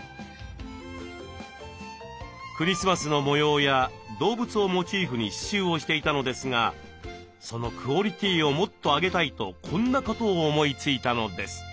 クリスマスの模様や動物をモチーフに刺しゅうをしていたのですがそのクオリティーをもっと上げたいとこんなことを思いついたのです。